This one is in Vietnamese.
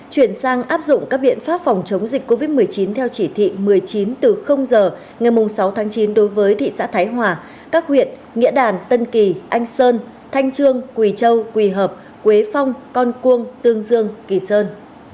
chuyển sang áp dụng các biện pháp phòng chống dịch covid một mươi chín theo chỉ thị một mươi chín từ giờ ngày sáu tháng chín đối với thị xã thái hòa các huyện nghĩa đàn tân kỳ anh sơn thanh trương quỳ châu quỳ hợp quế phong con cuông tương dương kỳ sơn